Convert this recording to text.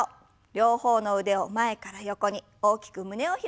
両方の腕を前から横に大きく胸を開きます。